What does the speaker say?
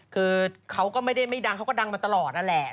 คือเขาก็ไม่ได้ไม่ดังเขาก็ดังมาตลอดนั่นแหละ